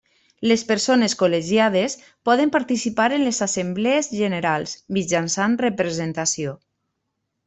Les persones col·legiades poden participar en les assemblees generals mitjançant representació.